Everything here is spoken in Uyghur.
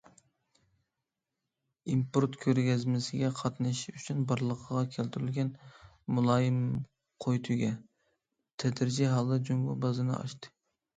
ئىمپورت كۆرگەزمىسىگە قاتنىشىش ئۈچۈن بارلىققا كەلتۈرۈلگەن« مۇلايىم قوي تۆگە» تەدرىجىي ھالدا جۇڭگو بازىرىنى ئاچتى.